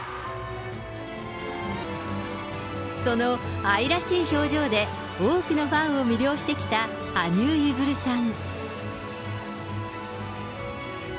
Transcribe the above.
その愛らしい表情で、多くのファンを魅了してきた羽生結弦さん。